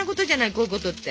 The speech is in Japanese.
こういうことって。